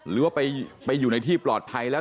หรือว่าไปอยู่ในที่ปลอดภัยแล้ว